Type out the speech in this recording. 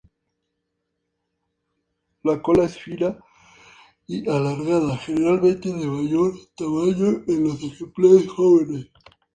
La cola es fina y alargada, generalmente de mayor tamaño en los ejemplares jóvenes.